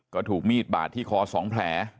ก็ถูกมีดบาดที่คอ๒แผล